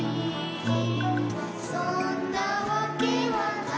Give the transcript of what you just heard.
「そんなわけはないけれど」